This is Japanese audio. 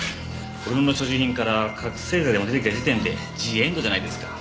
俺の所持品から覚せい剤でも出てきた時点でジエンドじゃないですか。